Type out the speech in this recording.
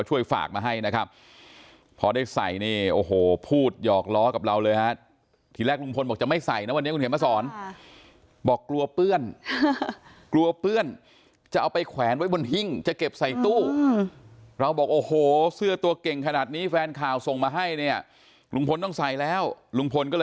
วอันนี้มันเป็นเรื่องเกมขังขันเนาะแล้วก็